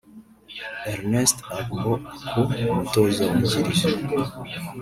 Ernest Agbor Ako (Umutoza wungirije)